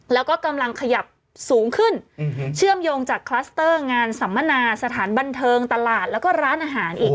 แล้วก็กำลังขยับสูงขึ้นเชื่อมโยงจากคลัสเตอร์งานสัมมนาสถานบันเทิงตลาดแล้วก็ร้านอาหารอีก